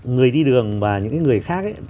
người đi đường và những người khác